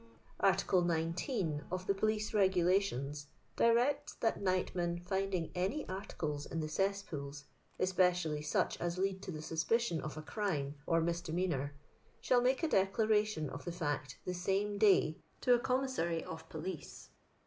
Article 19 of the Police Regulations directs that nightmen find ing any articles in the cesspools, especially such as lead to the suspicion of a crime or misdemeanor, shall make a declaration of the fact the same day to a Commissary of PoUce."